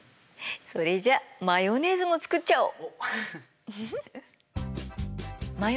それじゃマヨネーズも作っちゃおう！